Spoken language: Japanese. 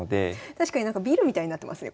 確かにビルみたいになってますね